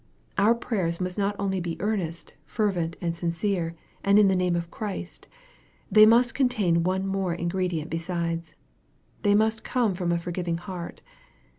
Our prayers must not only be earnest, fervent, and sincere, and in the name of Christ. They must contain one more ingredient besides. They must come from a forgiving heart.